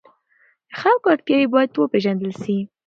د خلکو اړتیاوې باید وپېژندل سي.